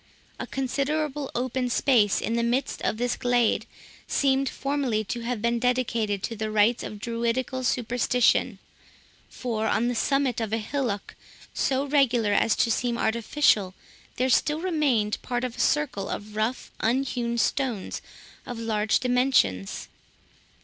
A considerable open space, in the midst of this glade, seemed formerly to have been dedicated to the rites of Druidical superstition; for, on the summit of a hillock, so regular as to seem artificial, there still remained part of a circle of rough unhewn stones, of large dimensions.